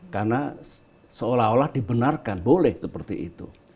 karena seolah olah dibenarkan boleh seperti itu